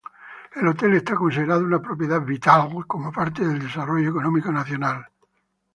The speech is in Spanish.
El hotel está considerado una propiedad vital como parte del desarrollo económico nacional.